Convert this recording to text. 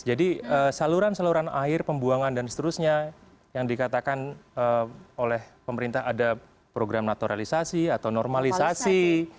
jadi saluran saluran air pembuangan dan seterusnya yang dikatakan oleh pemerintah ada program naturalisasi atau normalisasi